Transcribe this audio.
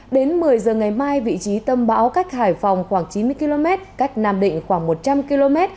đến một mươi giờ ngày mai vị trí tâm bão cách hải phòng khoảng chín mươi km cách nam định khoảng một trăm linh km